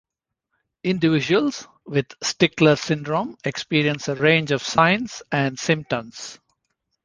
Individuals with Stickler syndrome experience a range of signs and symptoms.